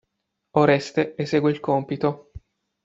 Oreste esegue il compito.